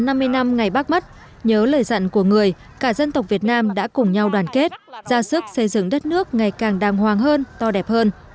trong năm mươi năm ngày bác mất nhớ lời dặn của người cả dân tộc việt nam đã cùng nhau đoàn kết ra sức xây dựng đất nước ngày càng đàng hoàng hơn to đẹp hơn